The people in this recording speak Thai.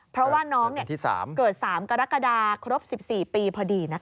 เพราะว่าน้องเกิด๓กรกฎาครบ๑๔ปีพอดี